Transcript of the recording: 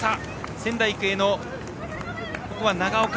仙台育英は長岡。